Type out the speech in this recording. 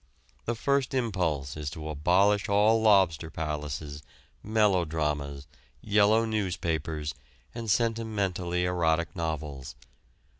The first impulse is to abolish all lobster palaces, melodramas, yellow newspapers, and sentimentally erotic novels.